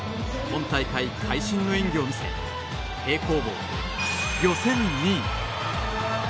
今大会、会心の演技を見せ平行棒、予選２位。